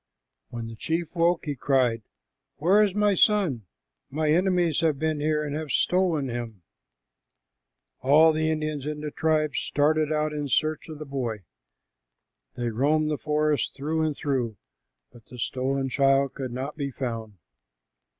When the chief woke, he cried, "Where is my son? My enemies have been here and have stolen him." All the Indians in the tribe started out in search of the boy. They roamed the forest through and through, but the stolen child could not be found.